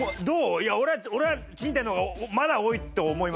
いや俺は賃貸の方がまだ多いと思います。